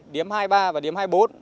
điếm hai mươi ba và điếm hai mươi bốn